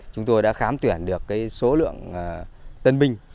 chúng tôi đã khám tuyển được số lượng tân binh